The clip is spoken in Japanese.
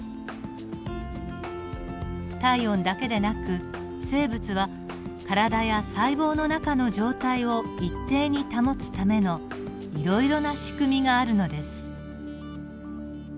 体温だけでなく生物は体や細胞の中の状態を一定に保つためのいろいろな仕組みがあるのです。